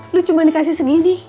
lu cuma dikasih segini